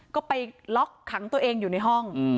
ก็ไปล็อกขังตัวเองอยู่ในห้อง